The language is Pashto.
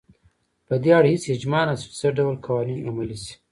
په دې اړه هېڅ اجماع نشته چې څه ډول قوانین عملي شي.